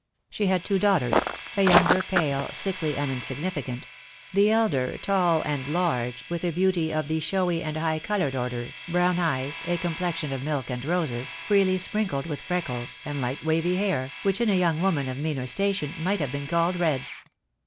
She had two daughters, the younger pale, sickly, and insignificant; the elder tall and large, with a beauty of the showy and highly coloured order, brown eyes, a complexion of milk and roses, freely sprinkled with freckles, and light wavy hair, which in a young woman of meaner station might have been called red.